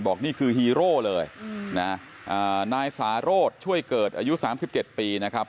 นี่คือฮีโร่เลยนะนายสาโรธช่วยเกิดอายุ๓๗ปีนะครับ